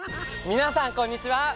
みなさんこんにちは。